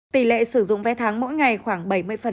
tỷ lệ sử dụng vé thắng mỗi ngày khoảng bảy mươi